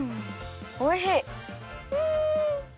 おいしい。